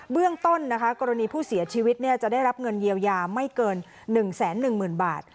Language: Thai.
เบื้องต้นกรณีผู้เสียชีวิตจะได้รับเงินเยียวยาไม่เกิน๑แสน๑หมื่นบาท